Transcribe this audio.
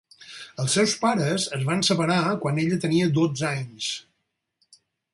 Els seus pares es van separar quan ella tenia dotze anys.